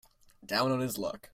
Down on his luck.